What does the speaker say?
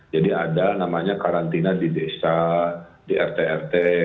jadi ada namanya karantina di desa di rt rt